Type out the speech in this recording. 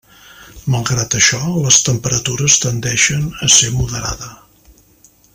Malgrat això, les temperatures tendeixen a ser moderada.